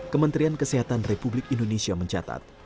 kementerian kesehatan republik indonesia mencatat